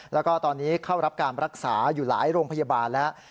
แล้วก็ตอนนี้เข้ารับการรักษาอยู่หลายโรงพยาบาลแล้ว